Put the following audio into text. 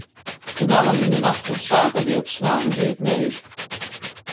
Benammen yn de nacht fan saterdei op snein gie it need.